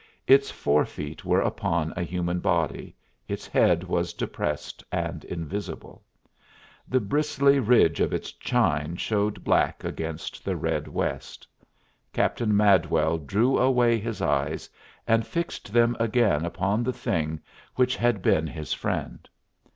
Its forefeet were upon a human body, its head was depressed and invisible. The bristly ridge of its chine showed black against the red west. Captain Madwell drew away his eyes and fixed them again upon the thing which had been his friend.